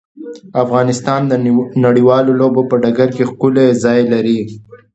افغانستان د نړیوالو لوبو په ډګر کې ښکلی ځای لري.